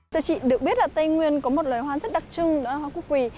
thưa chị được biết là tây nguyên có một loài hoa rất đặc trưng đó là hoa quốc quỳ